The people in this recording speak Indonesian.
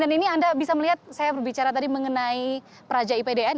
dan ini anda bisa melihat saya berbicara tadi mengenai peraja ipdn